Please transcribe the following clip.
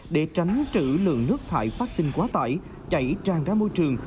để tránh trữ lượng nước thải phát sinh quá tải chảy tràn ra môi trường